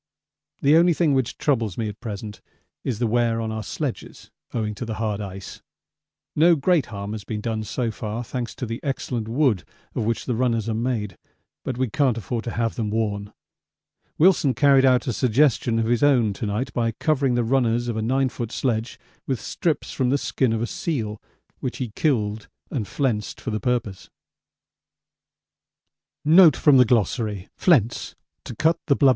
The only thing which troubles me at present is the wear on our sledges owing to the hard ice. No great harm has been done so far, thanks to the excellent wood of which the runners are made, but we can't afford to have them worn. Wilson carried out a suggestion of his own to night by covering the runners of a 9 ft. sledge with strips from the skin of a seal which he killed and flensed for the purpose.